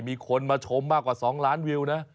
มีคนมาชมมากกว่า๒ล้านวิวนะ